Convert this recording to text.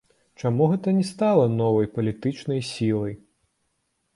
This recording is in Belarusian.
Чаму гэта не стала новай палітычнай сілай?